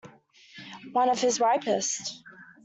One of his ripest.